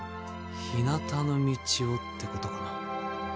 「ひなたの道を」ってことかな。